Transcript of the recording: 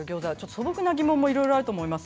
素朴な疑問もあると思います。